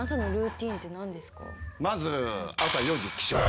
まず朝４時起床。